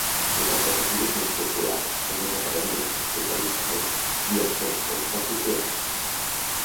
Les alternatives més populars són les acadèmies especialitzades i els professors particulars.